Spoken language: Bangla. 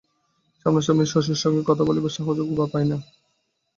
সামনাসামনি শশীর সঙ্গে কথা বলিবার সাহসও গোপাল পায় না!